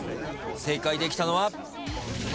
正解できたのは。